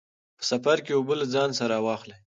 په سفر کې اوبه له ځان سره واخلئ.